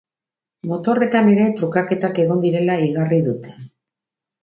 Motorretan ere trukaketak egon direla igarri dute.